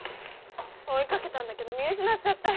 追い掛けたんだけど見失っちゃって。